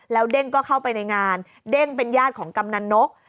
แล้วเด้งก็เข้าไปในงานเด้งเป็นญาติของกำนันนก